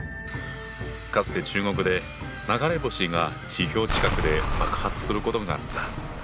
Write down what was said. かつて中国で流れ星が地表近くで爆発することがあった。